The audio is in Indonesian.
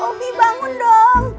aduh obi bangun dong